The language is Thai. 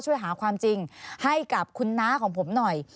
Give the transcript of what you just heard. ช่วยหาความจริงให้กับคุณน้าของผมหน่อย